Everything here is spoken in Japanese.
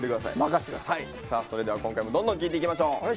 さあそれでは今回もどんどん聞いていきましょう。